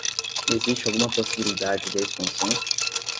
Existe alguma possibilidade de expansão?